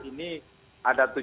ini ada tujuh puluh enam